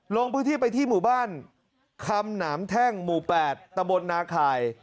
ลงพื้นที่ไปที่หมู่บ้านคำหนามแท่งหมู่๘ตะบลนาคาย